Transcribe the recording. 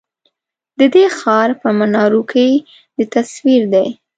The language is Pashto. ددې ښار په منارو کی دی تصوير دی